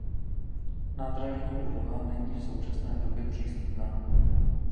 Nádražní budova není v současné době přístupná.